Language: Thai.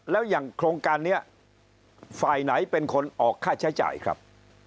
แล้วอย่างโครงการนี้ฝ่ายไหนเป็นคนออกค่าใช้จ่ายครับ